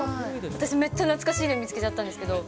私めっちゃ懐かしいの見つけちゃったんですけど。